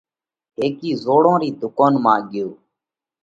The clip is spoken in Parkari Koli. هيڪِي زوڙون رِي ڌُوڪونَ مانه ڳيو